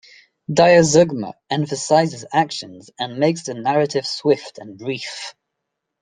Diazeugma emphasizes actions and makes the narrative swift and brief.